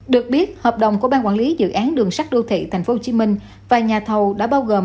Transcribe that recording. được biết hợp đồng của ban quản lý dự án đường sắt đô thị tp hcm và nhà thầu đã bao gồm